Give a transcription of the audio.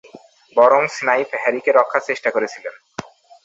বরং স্নেইপ হ্যারিকে রক্ষার চেষ্টা করেছিল।